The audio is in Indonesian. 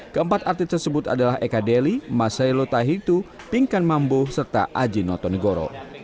keempat artis tersebut adalah eka deli masailo tahir tu pinkan mambo serta aji notengoro